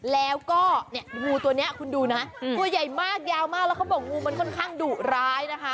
แล้วก็เนี่ยงูตัวนี้คุณดูนะตัวใหญ่มากยาวมากแล้วเขาบอกงูมันค่อนข้างดุร้ายนะคะ